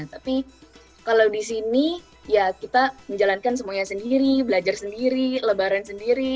tapi kalau di sini ya kita menjalankan semuanya sendiri belajar sendiri lebaran sendiri